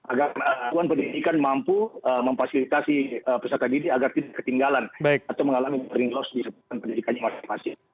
agar satuan pendidikan mampu memfasilitasi peserta didik agar tidak ketinggalan atau mengalami ring loss di satuan pendidikan yang masih masih